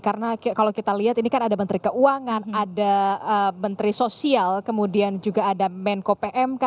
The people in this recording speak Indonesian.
karena kalau kita lihat ini kan ada menteri keuangan ada menteri sosial kemudian juga ada menko pmk